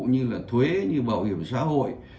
như thuế như bảo hiểm xã hội